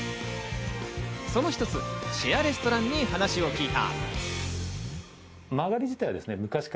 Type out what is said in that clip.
その一つ、シェアレストランに話を聞いた。